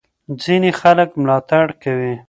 ځینې خلک ملاتړ کوي.